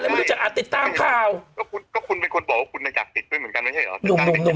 ไม่รู้จะอาจติดตามข่าวก็คุณก็คุณเป็นคนบอกว่าคุณอยากติดด้วยเหมือนกันไม่ใช่เหรอ